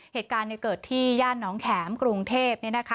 เหตุการณ์เกิดที่ย่านน้องแข็มกรุงเทพ